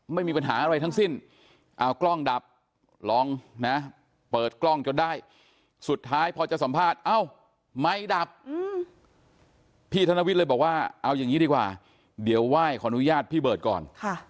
พี่ธนวิชบอกว่าเอาอย่างนี้ดีกว่าเดี๋ยวไหว่ขออนุญาตพี่เบิร์ดก่อน